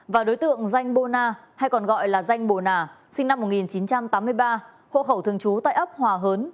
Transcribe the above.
và đối tượng danh bô na hay còn gọi là danh bồ nà sinh năm một nghìn chín trăm tám mươi ba hộ khẩu thường trú tại ấp hòa hớn